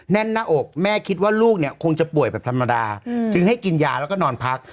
แน่นหน้าอกแม่คิดว่าลูกเนี่ยคงจะป่วยแบบธรรมดาจึงให้กินยาแล้วก็นอนพัก